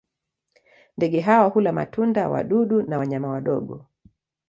Ndege hawa hula matunda, wadudu na wanyama wadogo.